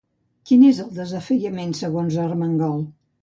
Quin és el desafiament segons Armengol?